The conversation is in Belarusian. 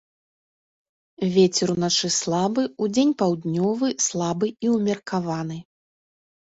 Вецер уначы слабы, удзень паўднёвы слабы і ўмеркаваны.